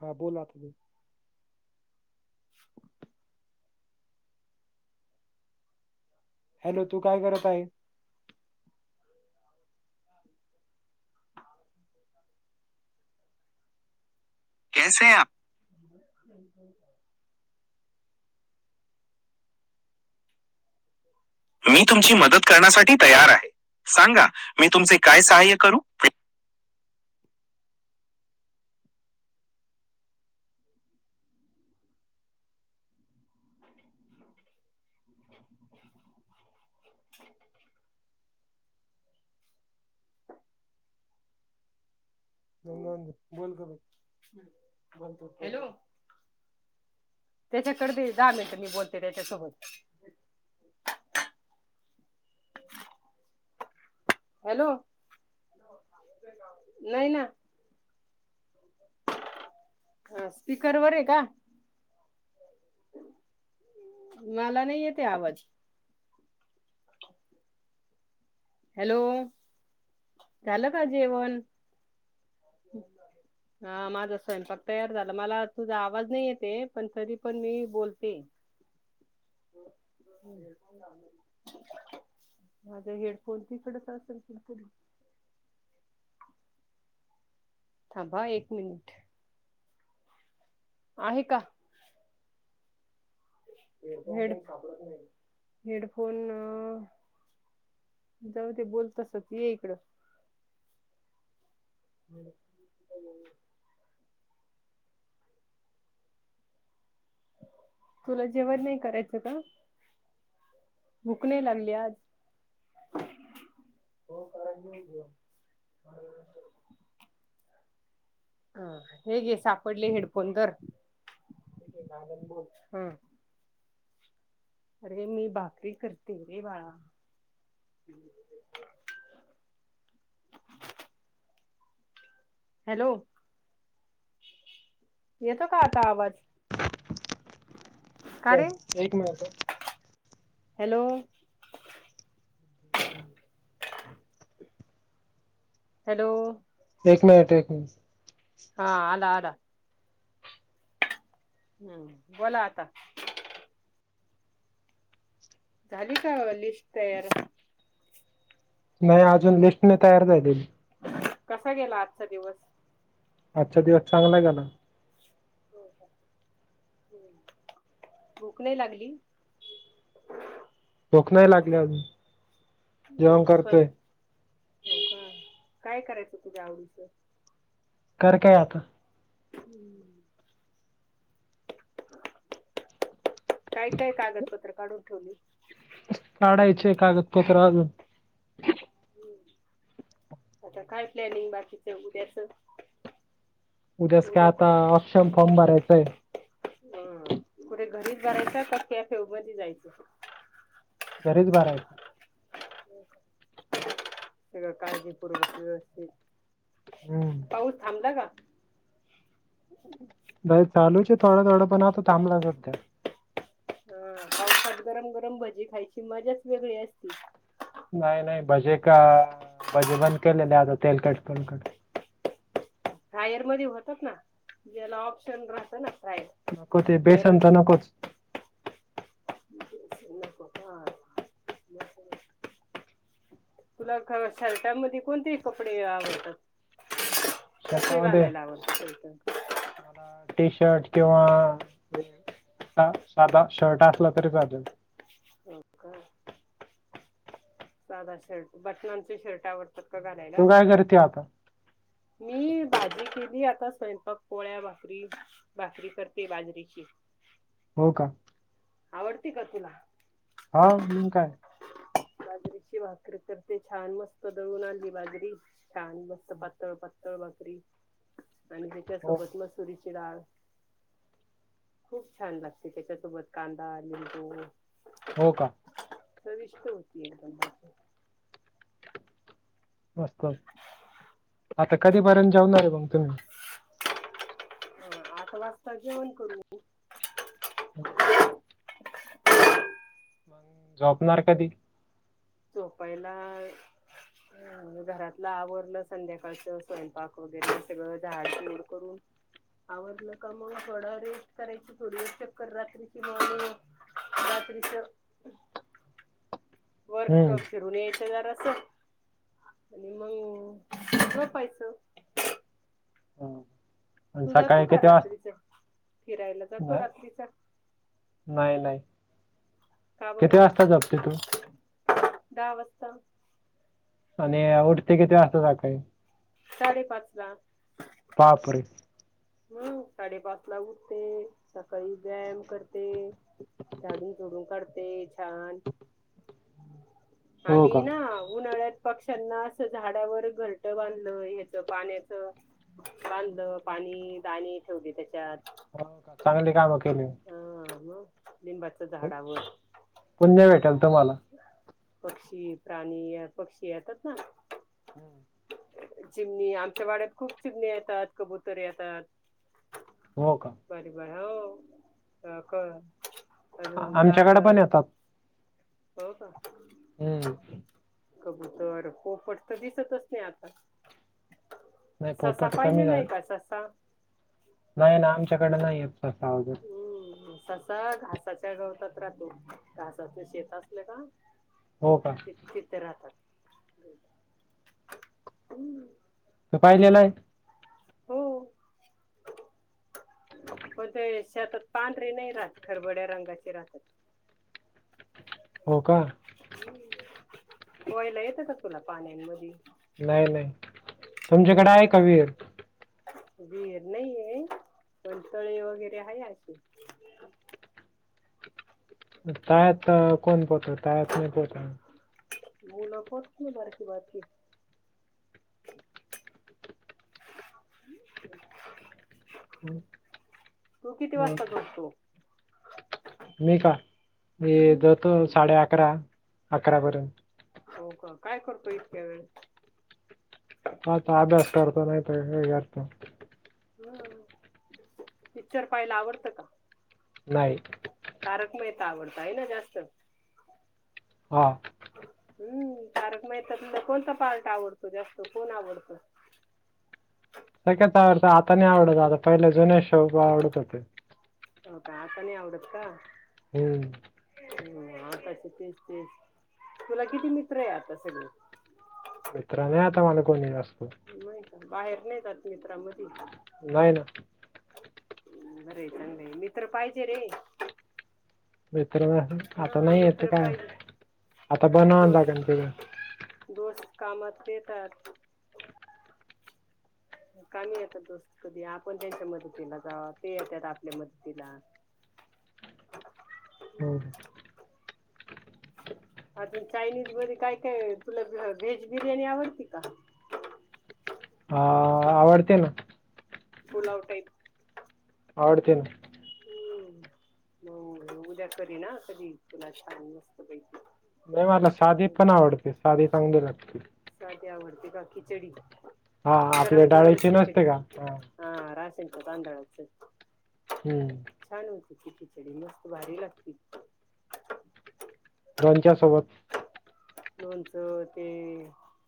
हा बोला तुम्ही [unintelligible] हॅलो, तू काय करत आहे? कैसे हे आप? हम् हम. मी तुमची मदत करण्यासाठी तयार आहे सांगा मी तुमचे काय सहाय्य करू. [unintelligible] बंद कर, बंद कर ते हॅलो. त्याच्याकड दहा मिनिट मी बोलते त्याच्यासोबत. हॅलो नाही ना. हा स्पीकर वर आहे का? मला नाही येते आवाज. हॅलो, झालं का जेवण? हा माझा स्वयंपाक तयार झाला मला तुझा आवाज नाही येते पण तरी पण मी बोलते. माझ हे डफोन तीकडच असेल तर बग. थांबा एक मिनिट. आहे का? Head headphone. जाऊ दे बोल तसतच ये इकडं. हम्. तुला जेवण नाही करायचं का? भुक नाही लागली आज? हो करायचं की जेवण [unintelligible] ह हे घे सापडले हेडफोन धर, हे घालून बोल हा. अरे मी भाकरी करते रे बाळा. हॅलो, येतो का आता आवाज? एक मिनट ह. हॅलो हॅलो एक मिनिट एक मिनिट. हा आला आला. हम्म, बोला आता. झाली का लिस्ट तयार? नाही अजून लिस्ट नाही तयार झालेली. कसा गेला आजचा दिवस? आजचा दिवस चांगला गेला. भूक नाही लागली? भूक नाही लागली अजून. य जेवण हो करतोय का. काय करायच तुझ्या आवडीच? कर काय आता. हम्म काय काय कागदपत्र काढून ठेवली? काढायचे कागदपत्र अजून. आता काय प्लॅनिंग बाकीचं उद्याच? उद्याच काय आता ऑप्शन फॉर्म भरायचंय. ह, कुठे घरीच भरायचं का कॅफे व मधी जायचं? घरीच भरायचं. सगळं काळजीपूर्व व्यवस्थित हम्म पाऊस थांबला का? बाहेर चालू आहे थोडं थोडं पण आता थांबला सध्या. हा पावसात गरम गरम भजी खायची मजाच वेगळी असती. नाही नाही भजे का भजे बंद केलेले आता तेलकट तुलकट. फ्रायर मध्ये होतात ना ज्याला ऑप्शन राहतं ना फ्रायर. नको ते बेसन च नकोत. नको का? [inaudible] तुला शर्टामध्ये कोणते कपडे आवडतात? कसे शर्टामध्ये घालायला आवडत शर्ट. मला टी शर्ट किंवा साधा शर्ट असला तरी चालेल. हो का. साधा शर्ट बटनांचे शर्ट आवडतात. तू काय करते आता? मी भाजी केली आता स्वयंपाक पोळ्या, भाकरी, भाकरी करते बाजरीेची. हो का? आवडती का तुला? हा मग काय. बाजरीची भाकरी करते ते छान मस्त दळून आणली बाजरी. छान मस्त पातळ पातळ भाकरी आणि हो हच्यासोबत मस्त तुरीची डाळ खूप छान लागते त्याच्यासोबत. कांदा, लिंबू. हो का. चविष्ट होती एकदम. मस्त आता कधीपर्यंत जाऊन आहे मंग तुम्ही. आठ वाजता जेवण करू. [inaudible] मग झोपणार कधी झोपायला अ घरातलं आवरलं संध्याकाळच स्वयंपाक वगैरे सगळं झाड सलोर करून. आवडलं का मग थोडा रेस्ट करायची थोडी चक्कर रात्री कि म रात्रीच हम्म व्हय फिरून यायच जर अस आणि मग झोपायच. ह तू जातो का रात्रीच फिरायला जातो ना- रात्रीचा. नाही नाही काबर किती वाजता झोपते तू दहा वाजता आणि उठते किती वाजता सकाळी. साडेपाच वाजता. पाच. हम्म साडेपाच ला उठते सकाळी व्यायाम करते. झाडुन लोटुन काडते छान हो का आम्ही ना हो उन्हाळ्यात. पक्ष्यांना असं झाडावर घरट बांधलं ह्याच पाण्याच. [unintelligible] पाणी, दाणे ठेवले त्याच्यात. [unintelligible] चांगली काम केली. [unintelligible] [unintelligible] पक्षी, प्राणी, पक्षी येतात ना हा. चिमणी. आमच्या वाड्यात खूप चिमण्या येतात, कबुतर येतात. हो का? पर हो [unintelligible] आमच्याकड पण येतात. हो का? हम्म. कबूतर, पोपट तर दिसतच नाही आता. नाही ससा पोपट कमी पाहिलेला हाय झालं का ससा? नाही ना, आमच्याकडे नाहीयेतं ससा अजून. हम्म. ससा घासाच्या गवतात राहतो. घासाच शेत असलं का हो का? तिथं राहतात. [unintelligible] त पाहिलेलाय? पण ते शेतात पांढरे नाही राहत, खरबड्या रंगाचे राहतात. हो का? हम्म, पोहायला येत का तुला पाण्यांमधी? नाही नाही. तुमच्याकडे आहे का विहीर? विहीर नाहीये, पण तळे वगैरे हाय अशे. तळ्यात कोण पोहत? तळ्यात नाही पोहता [unintelligible] तू किती अ, वाजता जेवतो? मी का? मी जेवतो साडे अकरा, अकरापर्यंत. हो का? काय करतो इतक्या वेळ? [unintelligible] अभ्यास करतो नाही, तर [unintelligible] करतो. हम्म, पिक्चर पाहायला आवडतं का? नाही. तारक मेहता आवडत आहे ना जास्त? हा. हम्म, तारक मेहतातला कोणता पार्ट आवडतो जास्त? कोण आवडतो? सगळच आवडतं. आता नाही आवडत. आता पहिले जुने शो आवडत होते. हो का? आता नाही आवडतं का? हम्म. ह, आताच तेच तेच. तुला किती मित्र आहे आता सगळी? मित्र नाही आता मला कोणी जास्त. नाही का? बाहेर नाहीे जात मित्रामधी? नाही ना. बरंय चांगलय. मित्र पाहिजे रे. मित्र आता नाही येत काय? आता बनवान लागन पुढं. दोस्त कामात येतात. कामी येतात दोस्त कधी आपण त्यांच्या मदतीला जा ते येतात आपल्या मदतीला. हम्म अजून चायनीज मध्ये काय काय तुला व्हेज बिर्याणी आवडती का? ह.. आवडते ना. पुलाव टाईप. आवडते ना. ह् मग उद्या करीन हा कधी तुला छान मस्त पैकी. नाही मला साधी पण आवडते, साधी चांगली लागते. साधी आवढते का खिचडी? हा हा आपल्या डाळीची नसते का, हा हा राशनच्या तांदळाचं. हम्म. छान होती ती खिचडी मस्त भारी लागती. लोनच्या सोबत. लोनचं ते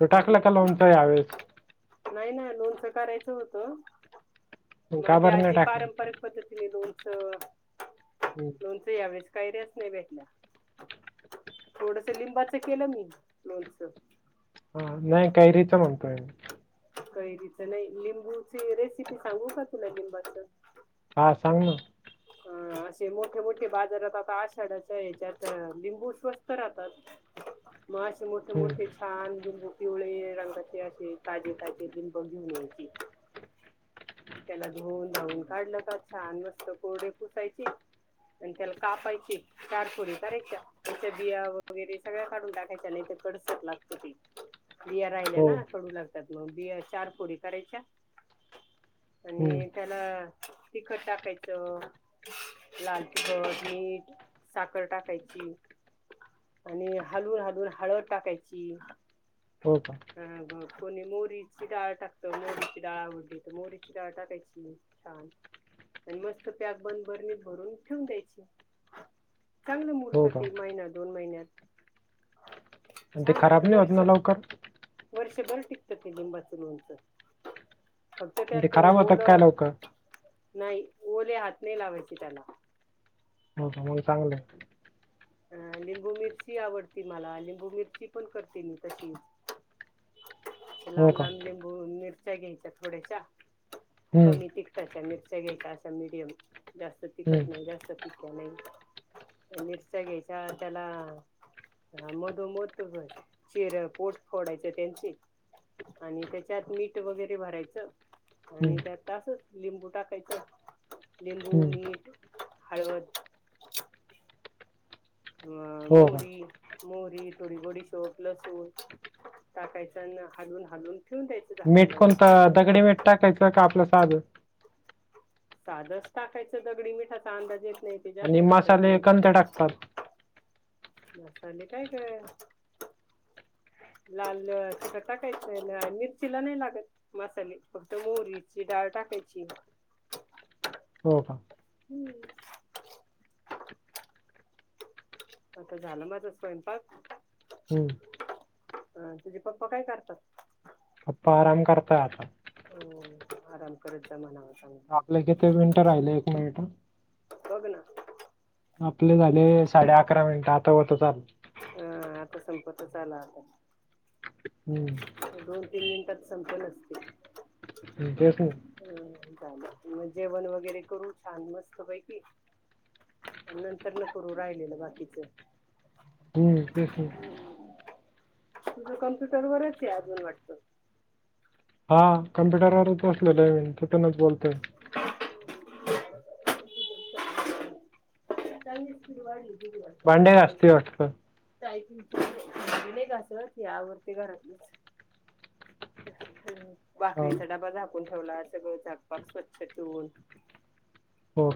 तू टाकल का लोणच हया वेळेस? नाही ना, लोणचं करायचं होतं का माझी बरं नाही आजी टाकलं पारंपरिक पद्धतीने लोनच हम् च यावेळेस कैऱ्याच नाही भेटल्या थोडस लिंबाचं केलं मी लोणच. हा, नाही कैरीच म्हणतोय मी. कैरीच नाही, लिंबूची रेसिपी सांगू का तुला लिंबाच? हा सांग ना. [unintelligible] अ असे मोठे मोठे बाजारात आता आषाढाच्या, ह्याच्यात लिंबू स्वस्त राहतात. मग असे मोठे हम्म मोठे छान लिंबू पिवळे रंगाचे असे ताजे ताजे लिं बू घेऊन यायचे. त्याला धुवन धवून काढलं का, छान मस्त कोरडे पुसायची आणि त्याला कापायची चारफुरी करायच्या त्याच्या बिया वगैरे सगळ्या काढून टाकायच्या नाहीतर कडसर लागत ते बिया राहिल्या हो ना कडू लागतात, मग बिया चार फोडी करायच्या हम्म आणि त्यात अ तिखट टाकायचं लाल तिखट, मीठ साखर टाकायची आणि हलवून हलवून हळद टाकायची. हो का, अ कोणी मोरीची डाळ टाकत मोरीची डाळ आवडली तर मोरीची डाळ टाकायची. हा आणि मस्त प्याक बन बरणीत भरून ठेवून द्यायची. चांगलं मुर्त हो का ते महिना दोन महिन्यात. आणि ते खराब नाही होत ना लवकर? वर्षभर टिकत ते लिंबाच लोणच. फक्त आणि ते त्यात खराब होतात काय ओलं लवकर नाही ओले हात नाही लावायचे त्याला. हो मग चांगलं हाय. अ लिंबू मिरची आवडती मला लिंबू मिरची पण करते मी तशीच. हो लांब का लांब लिंबू मिरच्या घ्यायच्या थोड्याश्या हम्म कमी तिक टाच्या मिरच्या घ्यायच्या असा मिडियम जास्त हम्म तिखट नाही जास्त हे केलं. मिरच्या घ्यायच्या त्याला, हा मधोमध बघ चिऱ्या पोट फोडायचं त्यांची, आणि त्याच्यात मीठ वगैरे भरायचं. हम्म आणि त्यात असच लिंबू टाकायचं. लिंबू, हम्म मीठ, हळद, हो हो. मोहरी, थोडी बडीशोप, लसूण टाकायच. अन हालून हालून ठेवून द्यायची. मीठ कोणत दगडी मीठ टाकायचंय का? आपलं साध. साधच टाकायचं. दगडी मिठाचा अंदाज येत नाही. आणि मसाले कोणते टाकतात? मसाले काय काय लाल तिखट टाकायच. लाल मिरचीला नाही लागत. मसाले. फक्त मोहरीची डाळ टाकायची. हो का. हम्म. आता झालं माझा स्वयंपाक. हम्म अ तुझे पप्पा काय करतात? पप्पा आराम करतात. हो. आराम. करत जा म्हणाव सांग. आपलं किती मिनिटं राहिलंय एक मिनिट अ, बघ ना? मग आपले झाले साडे अकरा मिनिटं आता होतच आलंय. हा आता संपतच आला असेल. हम्म. दोन -तीन मिनिटात संपेलच ते. हम त्यासनी. ह चालेल मग. जेवण वगैरे करू छान मस्त पैकी. नंतर न करू राहिलेलं बाकीच. हम्म. तस होईल. तु कम्प्युटर वरच आहे अजून वाटतं. हा कम्प्युटरवरच बसलेलो आहे. तिथूनच बोलतोय. [unintelligible] वाढली. भांडे घासतय वाटतं. टायपिंग च. भांडे नाही घासत. मी आवरते घरातलच. हम. हो भाकरीचा डबा झाकून ठेवला. सगळं झाक पाक. स्वच्छ ठेवून. हो.